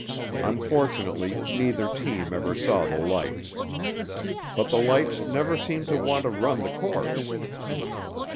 Unfortunately neither team ever saw the lights. But the lights never seemed to want to run the course.